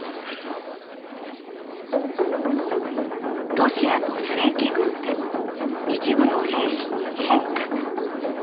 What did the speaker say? ロシアの正規軍でも一部の兵士に変化が。